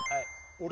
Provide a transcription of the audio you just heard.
俺？